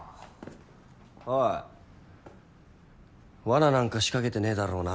おい罠なんか仕掛けてねぇだろうな。